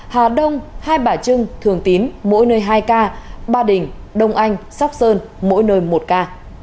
hà đông hai bà trưng thường tín mỗi nơi hai ca ba đình đông anh sóc sơn mỗi nơi một ca